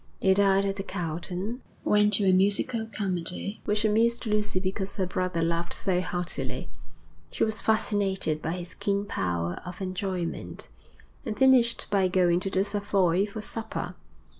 They dined at the Carlton, went to a musical comedy, which amused Lucy because her brother laughed so heartily she was fascinated by his keen power of enjoyment and finished by going to the Savoy for supper.